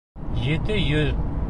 Ете йөҙ